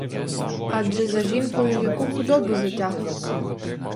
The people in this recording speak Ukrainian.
Адже за жінкою яку худобу затяг?